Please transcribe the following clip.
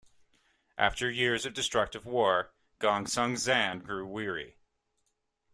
After years of destructive war, Gongsun Zan grew weary.